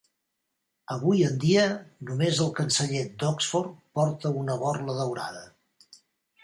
Avui en dia, només el canceller d'Oxford porta una borla daurada.